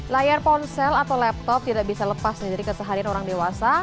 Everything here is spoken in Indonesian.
layar ponsel atau laptop tidak bisa lepas dari keseharian orang dewasa